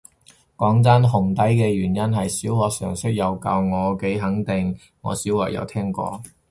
講真，紅底嘅原因係小學常識有教，我幾肯定我小學有聽過